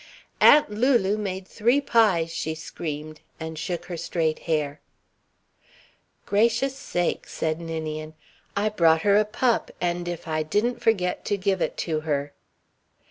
"Aunt Lulu made three pies!" she screamed, and shook her straight hair. "Gracious sakes," said Ninian. "I brought her a pup, and if I didn't forget to give it to her."